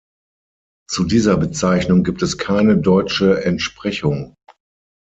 Zu dieser Bezeichnung gibt es keine deutsche Entsprechung.